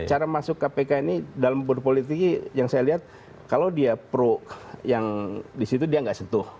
cara masuk kpk ini dalam berpolitik yang saya lihat kalau dia pro yang disitu dia nggak sentuh